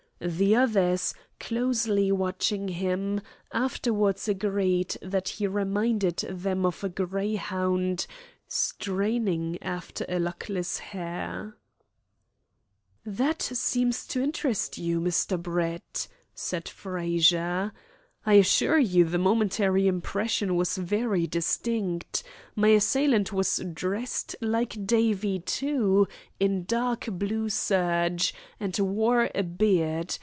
The others, closely watching him, afterwards agreed that he reminded them of a greyhound straining after a luckless hare. "That seems to interest you, Mr. Brett," said Frazer. "I assure you the momentary impression was very distinct. My assailant was dressed like Davie, too, in dark blue serge, and wore a beard.